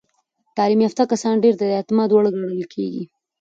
تعلیم یافته کسان ډیر د اعتماد وړ ګڼل کېږي.